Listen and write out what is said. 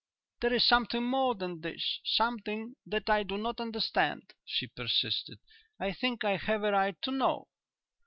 "There is something more than this something that I do not understand," she persisted. "I think I have a right to know."